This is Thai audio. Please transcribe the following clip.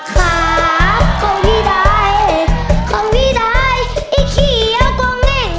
ขาของพี่ดายของพี่ดายไอ้เขียวก็เง่ง